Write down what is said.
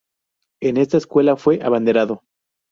En esta Escuela fue abanderado.